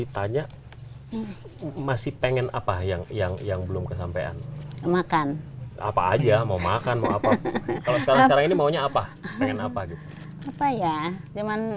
tanya masih pengen apa yang yang belum kesampean makan apa aja mau makan mau apa mau nya apa apa